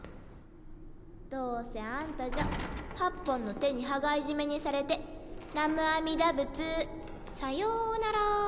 どうせあんたじゃ８本の手に羽交い締めにされて南無阿弥陀仏さようなら。